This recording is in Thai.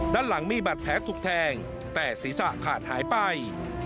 ด้านหลังมีบัตรแผลถูกแทงแต่ศีรษะขาดหายไป